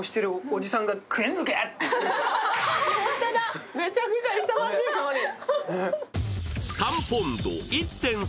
ホントだ、めちゃめちゃ勇ましい顔だ。